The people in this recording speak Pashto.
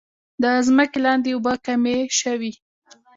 د ځمکې لاندې اوبه کمې شوي؟